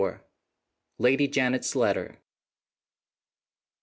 LADY JANET'S LETTER.